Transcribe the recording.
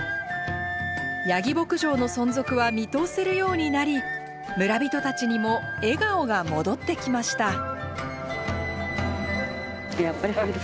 ヤギ牧場の存続は見通せるようになり村人たちにも笑顔が戻ってきました。